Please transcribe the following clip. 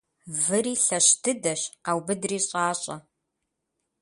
Выри лъэщ дыдэщ къаубыдри щIащIэ.